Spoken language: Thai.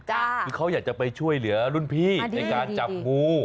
คือเขาอยากจะไปช่วยเหลือรุ่นพี่ในการจับงู